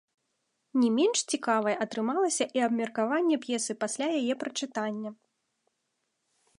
Не менш цікавай атрымалася і абмеркаванне п'есы пасля яе прачытання.